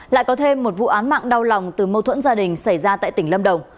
lại có thêm một vụ án mạng đau lòng từ mâu thuẫn gia đình xảy ra tại tỉnh lâm đồng